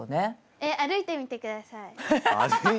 えっ歩いてみてください。